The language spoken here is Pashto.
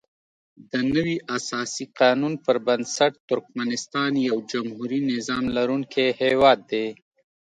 دنوي اساسي قانون پر بنسټ ترکمنستان یو جمهوري نظام لرونکی هیواد دی.